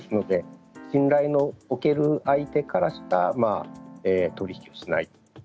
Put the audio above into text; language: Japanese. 信頼のおける相手からしか取り引きをしない。